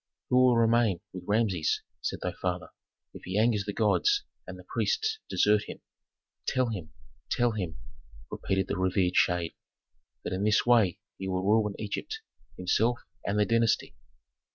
"'Who will remain with Rameses,' said thy father, 'if he angers the gods and the priests desert him? Tell him tell him,' repeated the revered shade, 'that in this way he will ruin Egypt, himself, and the dynasty.'"